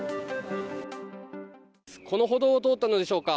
この歩道を通ったのでしょうか。